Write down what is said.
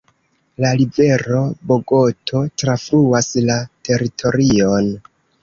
La rivero Bogoto trafluas la teritorion.